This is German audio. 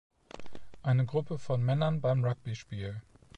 Eine Gruppe von Männern beim Rugby-Spiel.